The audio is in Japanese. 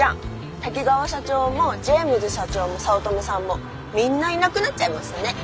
滝川社長もジェームズ社長も早乙女さんもみんないなくなっちゃいましたね。